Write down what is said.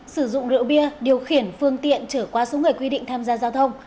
sử dụng rượu bia điều khiển phương tiện trở qua số người quy định tham gia giao thông